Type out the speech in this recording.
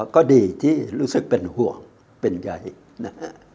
ก็ดีที่รู้สึกเป็นห่วงเป็นใยนะฮะ